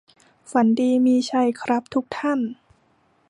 ฝันดีมีชัยครับทุกท่าน